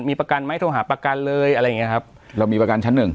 มีประกันไหมโทรหาประกันเลยอะไรอย่างเงี้ยครับเรามีประกันชั้นหนึ่ง